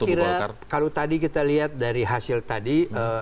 saya kira kalau tadi kita lihat dari hasil tadi